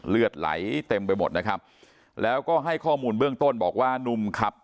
เลือดไหลเต็มไปหมดนะครับแล้วก็ให้ข้อมูลเบื้องต้นบอกว่านุ่มขับ